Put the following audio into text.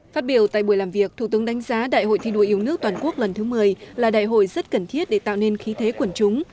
phát biểu tại buổi làm việc thủ tướng đánh giá đại hội thi đua yêu nước toàn quốc lần thứ một mươi là đại hội rất cần thiết để tạo nên khí thế quần chúng